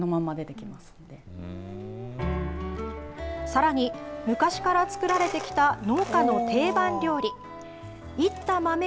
さらに、昔から作られてきた農家の定番料理。